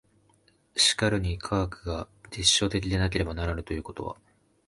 しかるに科学が実証的でなければならぬということは、